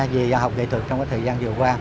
thì học nghệ thuật trong cái thời gian vừa qua